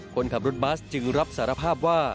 คนขับรถบัสจึงรับสารภาพว่า